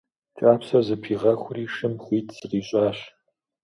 Кӏапсэр зэпигъэхури шым хуит зыкъищӏащ.